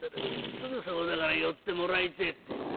すぐそこだから寄ってもらいてえって。